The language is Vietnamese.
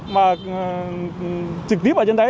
mà đứng ở trên đấy